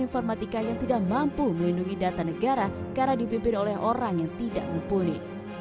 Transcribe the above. informatika yang tidak mampu melindungi data negara karena dipimpin oleh orang yang tidak mumpuni